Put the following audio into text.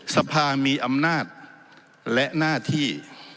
สภามีอำนาจและหน้าที่